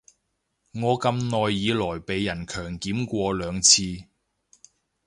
我咁耐以來被人強檢過兩次